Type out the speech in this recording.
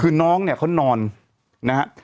คือน้องเนี่ยเขานอนนะฮะ